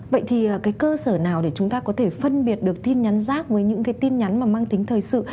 vậy thì cái cơ sở nào để chúng ta có thể phân biệt được tin nhắn rác với những cái tin nhắn mà mang tính thời sự